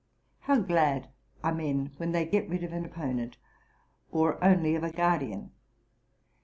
How glad are men when they get rid of an opponent, or only of a guardian!